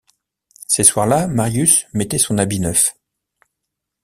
Ces soirs-là Marius mettait son habit neuf.